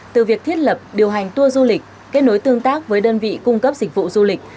từ việc thiết lập điều hành tour du lịch kết nối tương tác với đơn vị cung cấp dịch vụ du lịch